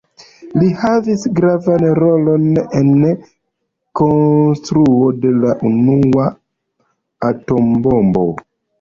Li havis gravan rolon en konstruo de la unua atombombo.